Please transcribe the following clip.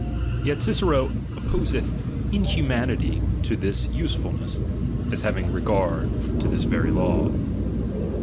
Yet Cicero oppo seth inhumanity to this usefulness, as having re gard to this very law.